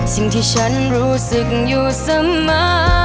สิ่งที่ฉันรู้สึกอยู่เสมอ